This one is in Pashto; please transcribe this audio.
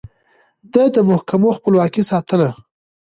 ده د محکمو خپلواکي ساتله.